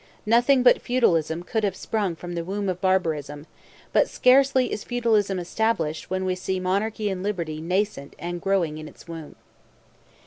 Nothing but feudalism could have sprung from the womb of barbarism; but scarcely is feudalism established when we see monarchy and liberty nascent and growing in its womb.